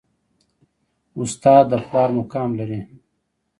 استاد د پلار مقام لري